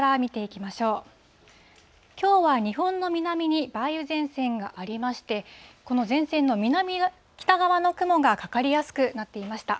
きょうは日本の南に梅雨前線がありまして、この前線の北側の雲がかかりやすくなっていました。